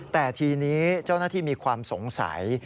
แต่ทีนี้เจ้าหน้าที่มีความสงสัย